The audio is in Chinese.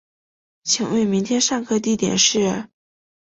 请问明天上课地点是